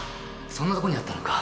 そんなとこにあったのか。